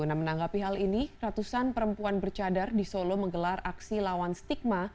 nah menanggapi hal ini ratusan perempuan bercadar di solo menggelar aksi lawan stigma